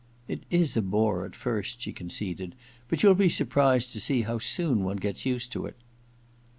* It is a bore at first,' she conceded ;* but you'll be surprised to see how soon one gets used to it.'